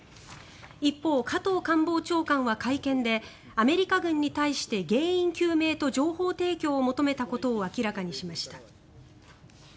一方、加藤官房長官は会見でアメリカ軍に対して原因究明と情報提供を求めたことを明らかにしました。